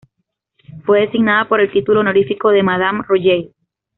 Fue designada por el título honorífico de Madame Royale.